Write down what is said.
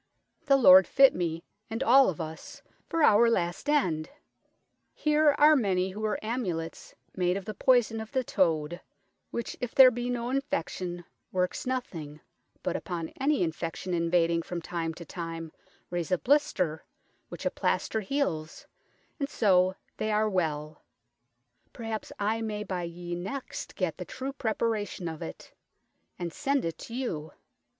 The Lord fitt mee and all of us for our last end 1 Here are many who weare amulets made of the poison of the toad, which if there be no infection workes nothing, but upon any infection invadeing from time to time, raise a blister, which a plaister heales, and so they are well : perhaps I may by ye next get the true prepara tion of it, and sent it to you.